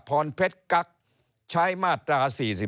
พรเพชรกั๊กใช้มาตรา๔๔